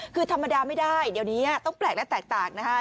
คือธรรมดาไม่ได้เดี๋ยวนี้ต้องแปลกและแตกต่างนะคะ